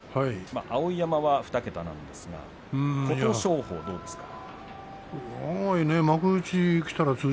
北の富士さん、碧山は２桁なんですが、琴勝峰はどうですか。